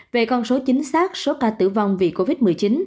về con số chính xác số ca tử vong vì covid một mươi chín